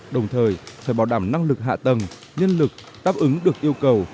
đồng thời phải bảo đảm năng lực hạ tầng nhân lực táp ứng được yêu cầu